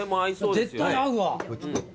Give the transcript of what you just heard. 絶対合うわ。